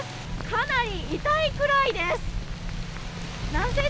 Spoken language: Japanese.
かなり痛いくらいです。